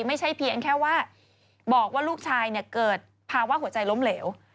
ไม่ใช่เพียงแค่ว่าบอกว่าลูกชายเกิดภาวะหัวใจล้มเหลว